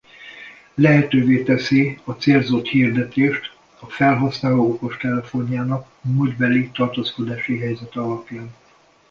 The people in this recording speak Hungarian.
Lehetővé teszi a célzott hirdetést a felhasználó okostelefonjának múltbeli tartózkodási helyzete alapján.